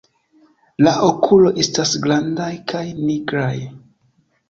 La okuloj estas grandaj kaj nigraj.